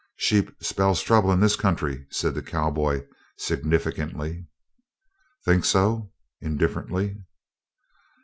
"Sheep spells 'trouble' in this country," said the cowboy, significantly. "Think so?" indifferently.